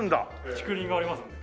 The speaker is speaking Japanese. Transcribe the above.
竹林がありますので。